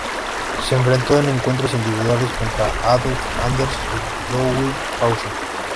Se enfrentó en encuentros individuales contra Adolf Anderssen y Ludwig Paulsen.